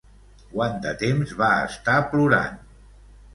Quant de temps va estar plorant?